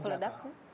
bahan peledak itu